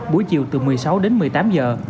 buổi chiều từ một mươi sáu đến một mươi tám giờ